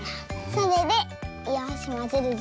それでよしまぜるぞ。